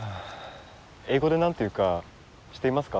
英語で何て言うか知っていますか？